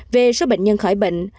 về số bệnh nhân khỏi bệnh